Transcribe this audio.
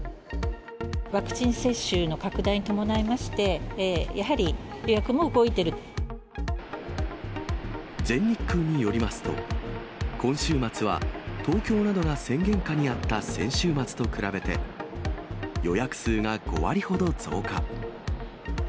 ワクチン接種の拡大に伴いまして、やはり、全日空によりますと、今週末は、東京などが宣言下にあった先週末と比べて、予約数が５割ほど増加。